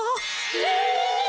え！